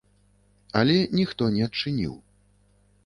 Але ніхто не адчыніў.